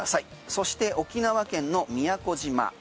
そして沖縄県の宮古島。